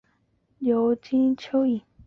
尤金真蚓。